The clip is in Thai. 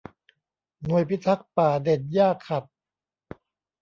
หน่วยพิทักษ์ป่าเด่นหญ้าขัด